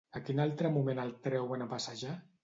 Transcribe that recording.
A quin altre moment el treuen a passejar?